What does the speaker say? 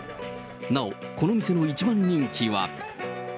なお、この店の一番人気は。